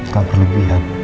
tak perlu dilihat